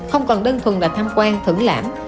không còn đơn thuần là tham quan thưởng lãm